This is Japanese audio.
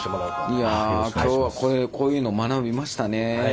いや今日はこれこういうのを学びましたね。